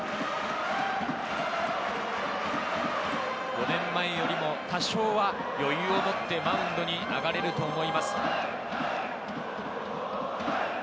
５年前よりも多少は余裕を持ってマウンドに上がれると思います。